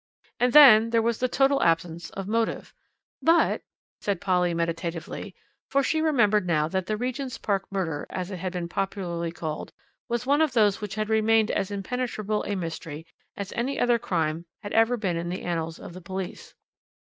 And then there was the total absence of motive." "But " said Polly meditatively, for she remembered now that the Regent's Park murder, as it had been popularly called, was one of those which had remained as impenetrable a mystery as any other crime had ever been in the annals of the police.